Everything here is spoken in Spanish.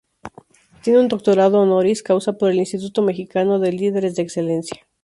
Tiene un Doctorado Honoris Causa por el Instituto Mexicano de Líderes de Excelencia.